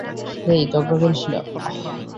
হেই, ঝগড়া করিস না।